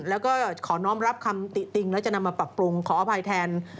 แล้วก็ขอน้องรับคำติติงแล้วจะนำมาปรับปรุงขออภัยแทน